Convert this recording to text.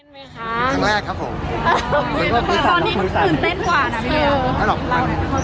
มีความตื่นเต้นไหมคะครั้งแรกครับผมสิบเต้นกว่านะ